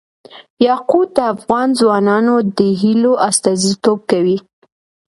یاقوت د افغان ځوانانو د هیلو استازیتوب کوي.